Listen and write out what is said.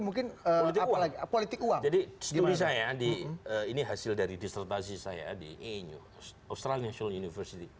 mungkin politik uang jadi studi saya ini hasil dari disertasi saya di australian university